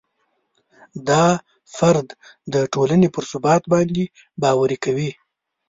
دا فرد د ټولنې پر ثبات باندې باوري کوي.